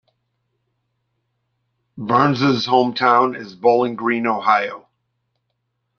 Barnes's hometown is Bowling Green, Ohio.